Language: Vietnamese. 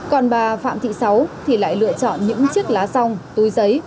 còn bà phạm thị sáu thì lại lựa chọn những chiếc lá rong túi giấy